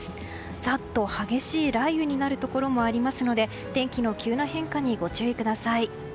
ざっと激しい雷雨になるところもありますので天気の急な変化にご注意ください。